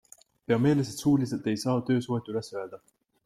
Pea meeles, et suuliselt ei saa töösuhet üles öelda.